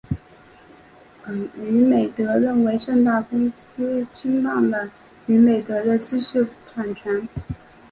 娱美德认为盛大公司侵犯了娱美德的知识产权。